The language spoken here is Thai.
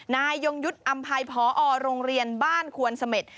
ยงยุทธ์อำภัยพอโรงเรียนบ้านควนเสม็ด